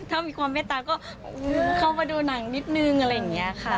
ถ้ามีความเมตตาก็เข้ามาดูหนังนิดนึงอะไรอย่างนี้ค่ะ